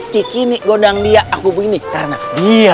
ciki nih gondang dia aku begini karena dia